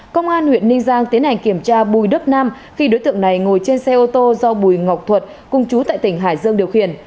công an huyện ninh giang tiến hành kiểm tra bùi đức nam khi đối tượng này ngồi trên xe ô tô do bùi ngọc thuật cung chú tại tỉnh hải dương điều khiển